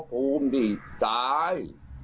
เจ้าภูมิที่ซ้าย